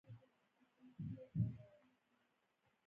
ژبني مهارتونه د زدهکوونکو بریا تضمینوي.